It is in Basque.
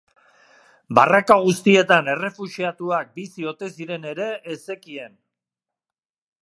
Barraka guztietan errefuxiatuak bizi ote ziren ere ez zekien.